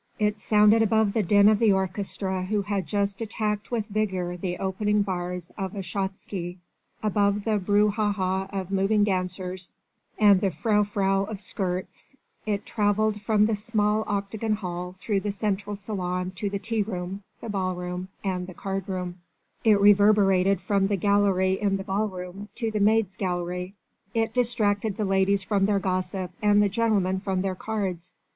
It sounded above the din of the orchestra who had just attacked with vigour the opening bars of a schottische, above the brouhaha of moving dancers and the frou frou of skirts: it travelled from the small octagon hall, through the central salon to the tea room, the ball room and the card room: it reverberated from the gallery in the ball room to the maids' gallery: it distracted the ladies from their gossip and the gentlemen from their cards.